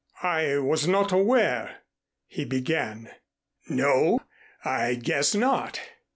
"I was not aware " he began. "No, I guess not.